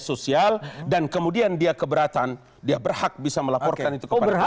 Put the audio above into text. sosial dan kemudian dia keberatan dia berhak bisa melaporkan itu kepada mereka